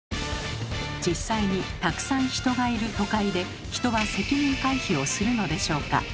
実際にたくさん人がいる都会で人は責任回避をするのでしょうか？